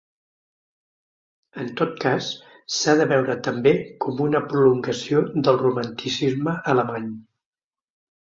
En tot cas, s'ha de veure també com una prolongació del romanticisme alemany.